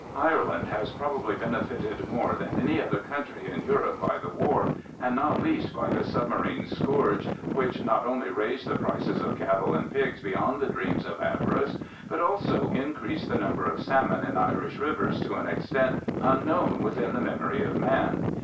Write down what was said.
Ireland has probably benefited more than any other country in Europe by the war, and not least by the submarine scourge, which not only raised the prices of cattle and pigs beyond the dreams of avarice, but also increased the number of salmon in Irish rivers to an extent unknown within the memory of man.